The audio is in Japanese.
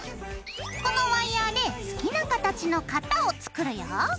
このワイヤーで好きな形の型を作るよ。